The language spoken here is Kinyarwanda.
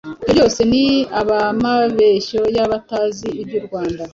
Ibyo byose ni abamabeshyo y'abatazi iby'u Rwanda.